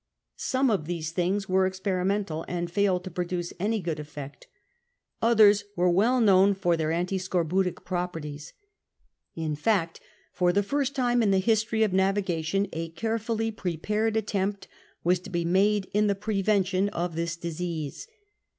Some of these things were experimental, and failed to produce any good effect. Others were well known for their antiscorbutic propertiea In fact, for the first time in the history of navigation a carefully prepared attempt was to be made in the prevention of this disease.